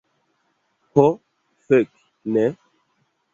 Ho, fek, ne!